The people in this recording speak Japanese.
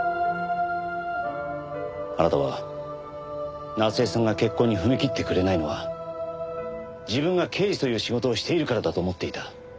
あなたは夏恵さんが結婚に踏み切ってくれないのは自分が刑事という仕事をしているからだと思っていた。